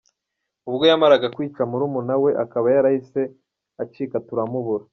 Ubwo yamaraga kwica murumuna we akaba yari yahise acika turamubura.